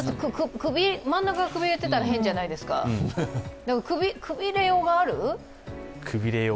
真ん中がくびれていたら変じゃないですか、くびれようがある？